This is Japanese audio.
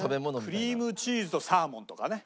クリームチーズとサーモンとかね。